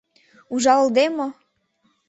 — Ужалыде мо!